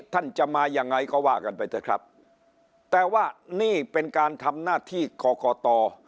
ท่านจะมายังไงก็ว่ากันไปเถอะครับแต่ว่านี่เป็นการทำหน้าที่กรกต